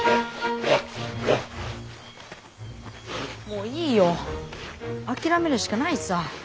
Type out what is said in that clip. もういいよ諦めるしかないさぁ。